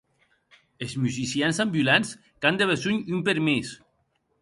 Es musicians ambulants qu’an de besonh un permís.